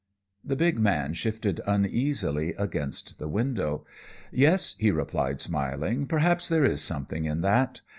The big man shifted uneasily against the window. "Yes," he replied smiling, "perhaps there is something in that.